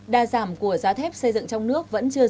đa giảm của giá thép xây dựng trong nước vẫn chưa được tăng